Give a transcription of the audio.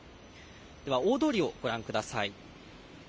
では、大通りをご覧ください。